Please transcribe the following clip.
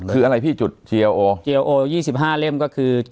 คือพี่อะไร๕๕๒๕เล่มก็คือ